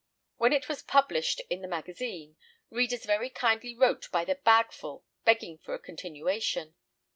When it was published in the magazine, readers very kindly wrote by the bagful begging for a continuation.